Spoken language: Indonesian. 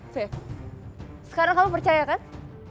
oke sekarang kamu percaya kan